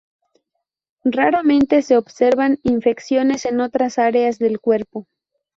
Raramente se observan infecciones en otras áreas del cuerpo.